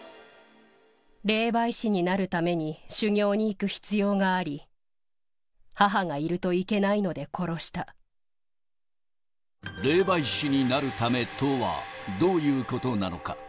霊媒師になるために、修行に行く必要があり、霊媒師になるためとは、どういうことなのか。